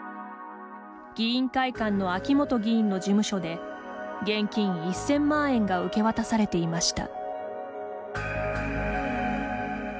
議員会館の秋本議員の事務所で現金１０００万円が受け渡されていました。